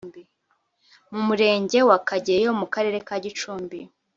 mu Murenge wa Kageyo mu Karere ka Gicumbi